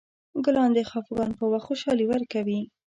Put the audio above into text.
ګلان د خفګان په وخت خوشحالي ورکوي.